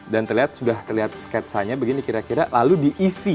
dan terlihat sudah terlihat sketsanya begini kira kira lalu diisi